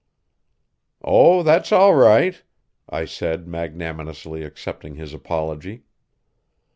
"Oh, that's all right," I said, magnanimously accepting his apology.